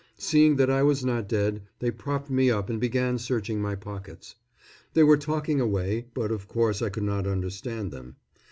Seeing that I was not dead, they propped me up and began searching my pockets. They were talking away, but, of course, I could not understand them.